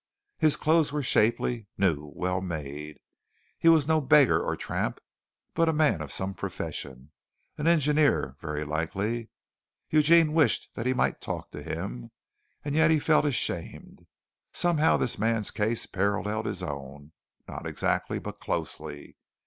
His clothes were shapely, new, well made. He was no beggar or tramp, but a man of some profession an engineer, very likely. Eugene wished that he might talk to him, and yet he felt ashamed. Somehow this man's case paralleled his own; not exactly, but closely.